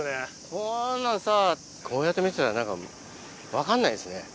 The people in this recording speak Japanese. こんなんさこうやって見てたら分かんないですね。